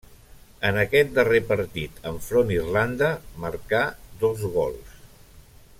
En aquest darrer partit enfront Irlanda marcà dos gols.